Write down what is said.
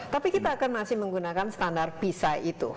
tapi kita akan masih menggunakan standar pisai itu